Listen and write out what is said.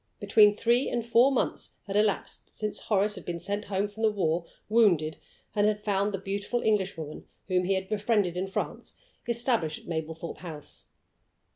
Between three and four months had elapsed since Horace had been sent home from the war, wounded, and had found the beautiful Englishwoman whom he had befriended in France established at Mablethorpe House.